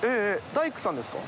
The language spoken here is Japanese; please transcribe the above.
大工さんですか？